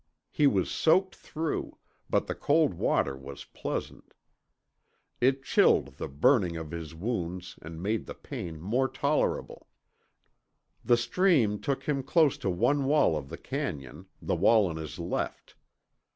He was soaked through, but the cold water was pleasant. It chilled the burning of his wounds and made the pain more tolerable. The stream took him close to one wall of the canyon, the wall on his left.